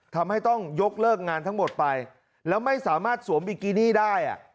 ทำให้ต้องยกเลิกงานทั้งหมดไปแล้วไม่สามารถสวมบิกินี่ได้